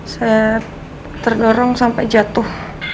saya terdorong sampai jatuh